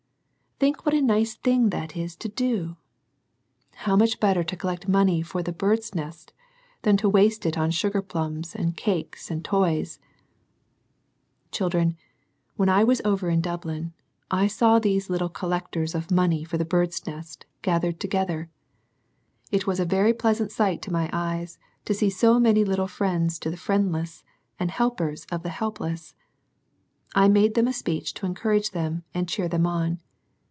Think what a nice thing that is to do ! How much better to collect money for the " Bird's Nest," than to waste it on sugar plums, and cakes, and toys ! Children, when I was over in Dublin, I saw these little collectors of money for the " Bird's Nest " gathered together. It was a very pleasant sight to my eyes to see so many little friends to the friendless, and helpers of the helpless. I made them a speech to encourage them and cheer them on.